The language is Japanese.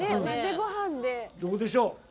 どうでしょう？